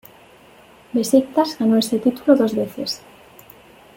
Beşiktaş ganó ese título dos veces.